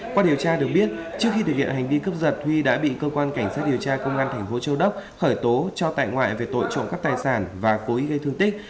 qua điều tra được biết trước khi thực hiện hành vi cướp giật huy đã bị cơ quan cảnh sát điều tra công an thành phố châu đốc khởi tố cho tại ngoại về tội trộm cắp tài sản và cố ý gây thương tích